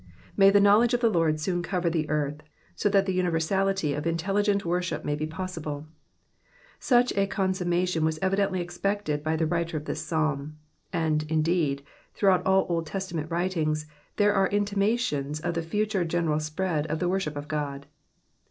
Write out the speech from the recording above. May the knowledge of the Lord soon cover the earth, that so the universality of intelligent worship may be possible : such a consummation was evidently expected by the writer of this Psalm ; and, indeed, throughout all Old Testament writings, there are intimations of the future general spread of the worship of God.